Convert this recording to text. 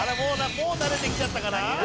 もう慣れてきちゃったかな？